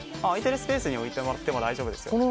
空いているスペースに置いてもらって大丈夫ですよ。